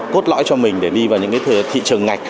cốt lõi cho mình để đi vào những thị trường ngạch